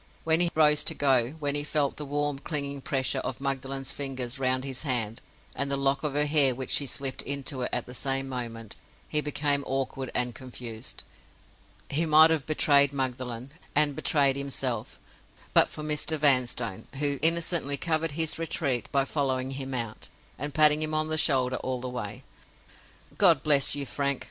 When he rose to go; when he felt the warm, clinging pressure of Magdalen's fingers round his hand, and the lock of her hair which she slipped into it at the same moment, he became awkward and confused. He might have betrayed Magdalen and betrayed himself, but for Mr. Vanstone, who innocently covered his retreat by following him out, and patting him on the shoulder all the way. "God bless you, Frank!"